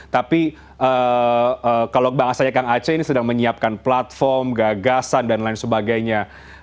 tapi kalau bang asanya kang aceh ini sedang menyiapkan platform gagasan dan lain sebagainya